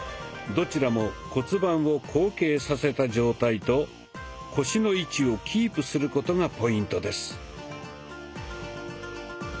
どちらも骨盤を後傾させた状態と腰の位置をキープすることがポイントです。